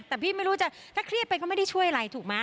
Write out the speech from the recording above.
แต่พี่ไม่รู้จะถ้าเครียดไปก็ไม่ได้ช่วยอะไรถูกไหม